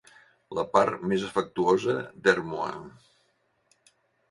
La part més afectuosa d'Ermua.